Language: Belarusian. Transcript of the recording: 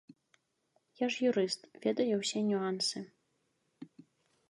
Я ж юрыст, ведаю усе нюансы.